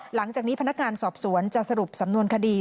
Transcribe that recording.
หลังจากนี้พนักงานสอบสวนจะสรุปสำนวนคดี